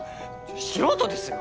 素人ですよ